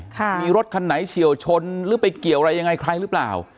มีรถคันไหนเฉียวชนหรือไปเกี่ยวอะไรยังไงใครหรือเปล่า